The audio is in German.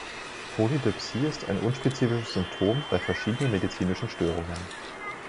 Polydipsie ist ein unspezifisches Symptom bei verschiedenen medizinischen Störungen.